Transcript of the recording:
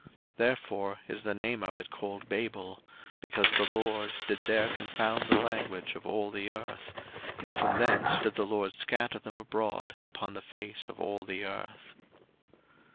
01:011:009 Therefore is the name of it called Babel; because the LORD did there confound the language of all the earth: and from thence did the LORD scatter them abroad upon the face of all the earth.